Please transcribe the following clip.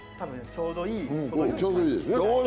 ちょうどいい！